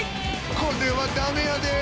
これはダメやで。